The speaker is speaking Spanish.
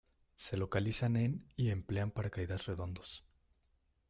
Se localizan en y emplean paracaídas redondos.